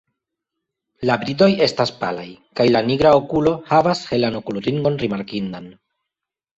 La bridoj estas palaj kaj la nigra okulo havas helan okulringon rimarkindan.